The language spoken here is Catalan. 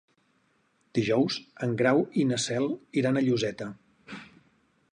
Dijous en Grau i na Cel iran a Lloseta.